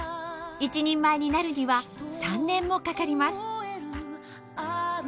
一人前になるには３年もかかります。